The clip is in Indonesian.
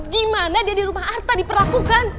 gimana dia di rumah harta diperlakukan